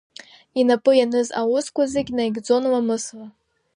Инапы ианыз аусқәа зегьы наигӡон ламысла.